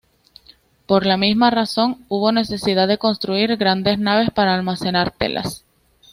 Por la misma razón hubo necesidad de construir grandes naves para almacenar telas.